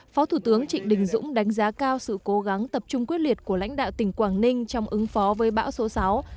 phó thủ tướng trịnh đình dũng đánh giá cao sự cố gắng tập trung quyết liệt của lãnh đạo tỉnh quảng ninh trong ứng phó với bão số sáu